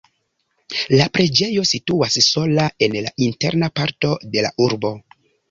La preĝejo situas sola en la interna parto de la urbo.